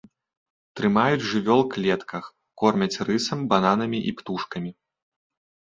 Трымаюць жывёл клетках, кормяць рысам, бананамі і птушкамі.